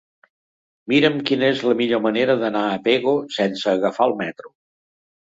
Mira'm quina és la millor manera d'anar a Pego sense agafar el metro.